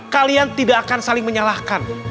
kalian tidak akan saling menyalahkan